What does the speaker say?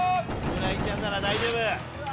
村井ちゃんなら大丈夫。